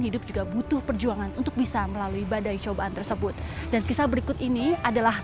hidup juga butuh perjuangan untuk bisa melalui badai cobaan tersebut dan kisah berikut ini adalah